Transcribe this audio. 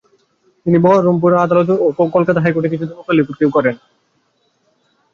তিনি বহরমপুর আদালত ও কলকাতা হাইকোর্টে কিছুদিন ওকালতিও করেন।